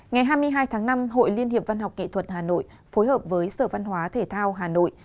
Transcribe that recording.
ngày hai mươi hai tháng năm hội liên hiệp văn học kỹ thuật hà nội phối hợp với sở văn hóa thể thao hà nội